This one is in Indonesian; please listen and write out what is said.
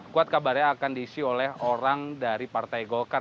kuat kabarnya akan diisi oleh orang dari partai golkar